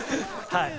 はい。